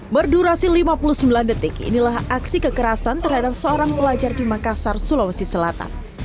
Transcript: berdurasi lima puluh sembilan detik inilah aksi kekerasan terhadap seorang pelajar di makassar sulawesi selatan